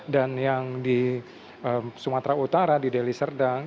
dan yang di sumatera utara di deli serdang